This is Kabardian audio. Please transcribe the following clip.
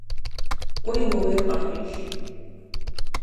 Кӏуэи ууейр къэхьыж.